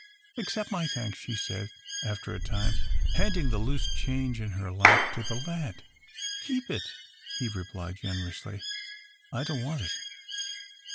"Accep' my thanks," she said, after a time, handing the loose change in her lap to the lad. "Keep it," he replied, generously. "I don't want it."